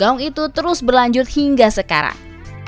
long itu terus berlanjut hingga sekarang